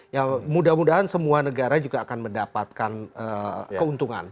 ya mudah mudahan semua negara juga akan mendapatkan keuntungan